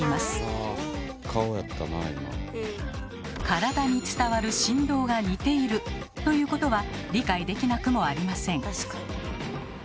体に伝わる振動が似ているということは理解できなくもありません。